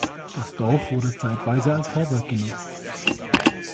Das Dorf wurde zeitweise als Vorwerk genutzt.